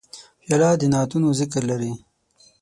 پیاله د نعتونو ذکر لري.